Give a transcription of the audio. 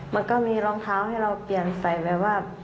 มันก็มีรองเท้าให้เราเปลี่ยนใส่แบบว่า